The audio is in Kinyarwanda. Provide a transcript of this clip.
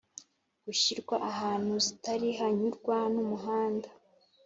gushyirwa ahantu zitari hanyurwa n umuhanda